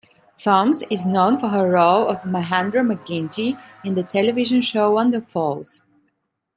Thoms is known for her role of Mahandra McGinty in the television show "Wonderfalls".